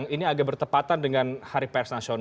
ini agak bertepatan